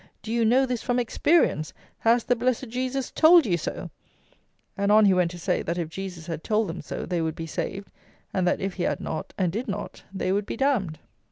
Do you know this from experience? Has the blessed Jesus told you so?" And on he went to say that, if Jesus had told them so, they would be saved, and that if He had not, and did not, they would be damned.